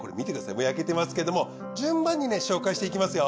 もう焼けてますけれども順番に紹介していきますよ。